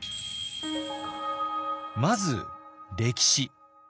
まず歴史。